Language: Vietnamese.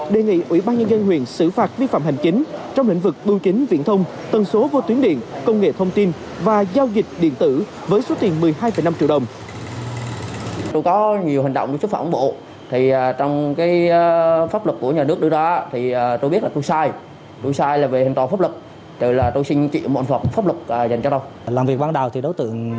đề nghị ủy ban nhân dân huyện xử phạt vi phạm hành chính trong lĩnh vực bưu chính viễn thông